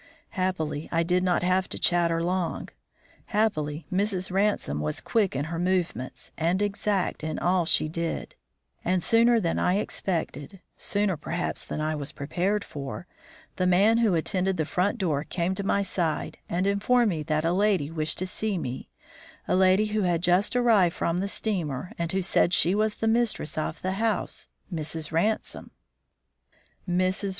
Happily, I did not have to chatter long; happily, Mrs. Ransome was quick in her movements and exact in all she did, and, sooner than I expected, sooner, perhaps, than I was prepared for it, the man who attended the front door came to my side and informed me that a lady wished to see me a lady who had just arrived from the steamer, and who said she was the mistress of the house, Mrs. Ransome. Mrs.